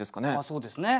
そうですね。